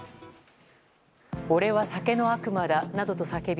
俺は酒の悪魔だなどと叫び